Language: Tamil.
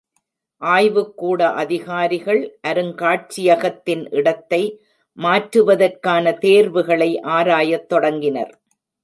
ஆய்வுக்கூட அதிகாரிகள், அருங்காட்சியகத்தின் இடத்தை மாற்றுவதற்கான தேர்வுகளை ஆராயத் தொடங்கினர்.